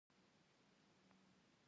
د تیرو پیړیو لغتونه زموږ تاریخي میراث دی.